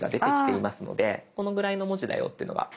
このぐらいの文字だよっていうのが見てとれます。